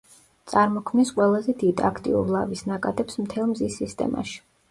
წარმოქმნის ყველაზე დიდ, აქტიურ ლავის ნაკადებს მთელ მზის სისტემაში.